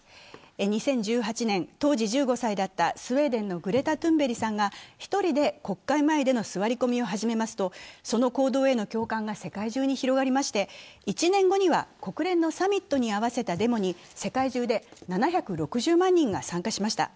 ２０１８年、当時、１５歳だったスウェーデンのグレタ・トゥンベリさんが１人で国会前での座り込みを始めますとその行動への共感が世界中に広がりまして１年後には国連のサミットに合わせたデモに世界中で７６０万人が参加しました。